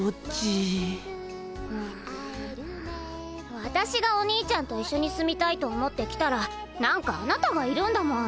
わたしがお兄ちゃんと一緒に住みたいと思ってきたら何かあなたがいるんだもん。